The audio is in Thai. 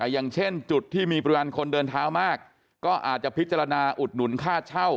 อย่างเช่นจุดที่มีปริมาณคนเดินเท้ามากก็อาจจะพิจารณาอุดหนุนค่าเช่า